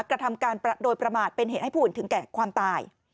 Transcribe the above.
กระทำการโดยประมาทเป็นเหตุให้ผู้อื่นถึงแก่ความตาย